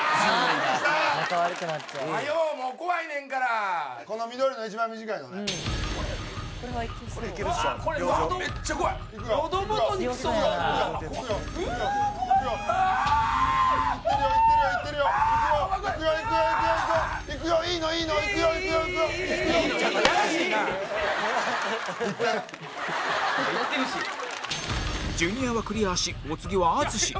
ジュニアはクリアしお次は淳